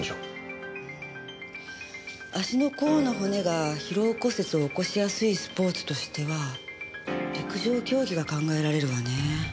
足の甲の骨が疲労骨折を起こしやすいスポーツとしては陸上競技が考えられるわね。